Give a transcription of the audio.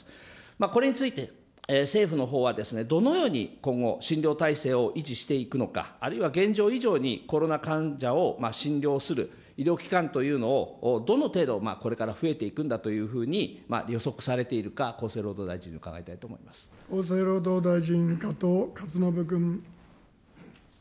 これについて、政府のほうはどのように今後、診療体制を維持していくのか、あるいは現状以上にコロナ患者を診療する医療機関というのをどの程度これから増えていくんだというふうに予測されているか、厚生労働大臣に伺いたいと厚生労働大臣、加藤勝信君。